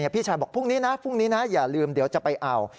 พี่ชายบอกพรุ่งนี้นะอย่าลืมเดี๋ยวจะไปเอา